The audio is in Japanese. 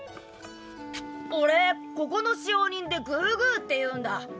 俺ここの使用人でグーグーっていうんだ。